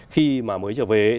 khi mà mới trở về ấy